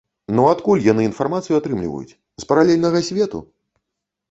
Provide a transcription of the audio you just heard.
Ну адкуль яны інфармацыю атрымліваюць, з паралельнага свету?